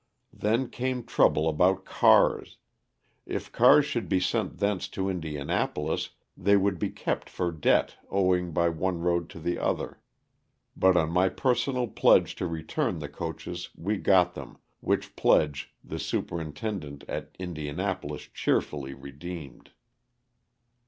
Then came trouble about cars. If cars should be sent thence to Indianapolis they would be kept for debt owing by one road to the other, but on my per sonal pledge to return the coaches we got them, which pledge the superintendent at Indianapolis cheerfully redeemed.